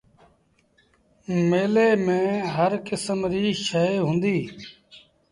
ميلي ميݩ هر ڪسم ريٚ شئي هُݩديٚ۔